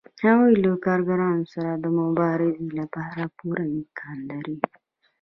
هغوی له کارګرانو سره د مبارزې لپاره پوره امکانات لري